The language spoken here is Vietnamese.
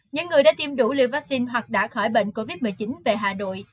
những người đã tiêm đủ liều vaccine hoặc đã khỏi bệnh covid một mươi chín về hà nội